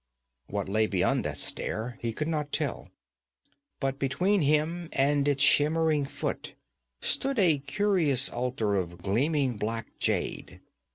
What lay beyond that stair he could not tell. But between him and its shimmering foot stood a curious altar of gleaming black jade.